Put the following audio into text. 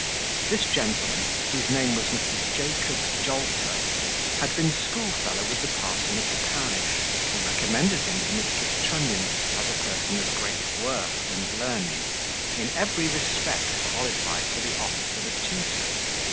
This gentleman, whose name was Mr. Jacob Jolter, had been school fellow with the parson of the parish, who recommended him to Mrs. Trunnion as a person of great worth and learning, in every respect qualified for the office of a tutor.